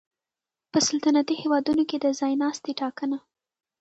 په سلطنتي هېوادونو کې د ځای ناستي ټاکنه